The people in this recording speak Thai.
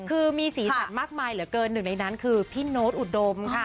คือมีสีสันมากมายเหลือเกินหนึ่งในนั้นคือพี่โน๊ตอุดมค่ะ